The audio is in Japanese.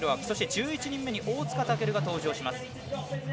そして、１１人目に大塚健が登場します。